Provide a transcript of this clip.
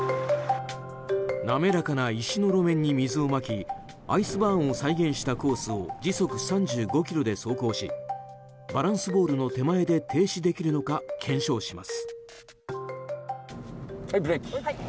なめらかな石の路面に水をまきアイスバーンを再現したコースを時速３５キロで走行しバランスボールの手前で停止できるのか検証します。